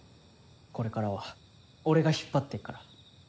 これからは俺が引っ張っていくから。